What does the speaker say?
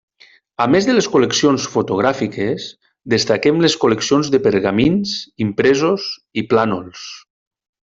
A més de les col·leccions fotogràfiques, destaquem les col·leccions de pergamins, impresos i plànols.